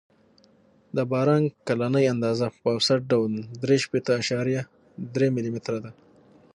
د باران کلنۍ اندازه په اوسط ډول درې شپېته اعشاریه درې ملي متره ده